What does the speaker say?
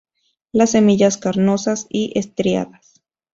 Las semillas carnosas y estriadas.